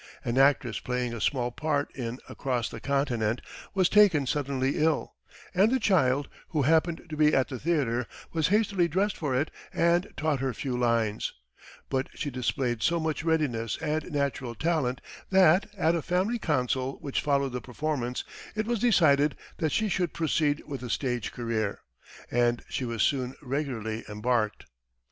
An actress playing a small part in "Across the Continent" was taken suddenly ill, and the child, who happened to be at the theatre, was hastily dressed for it and taught her few lines; but she displayed so much readiness and natural talent that, at a family council which followed the performance, it was decided that she should proceed with a stage career, and she was soon regularly embarked.